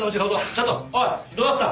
ちょっとおいどうだった？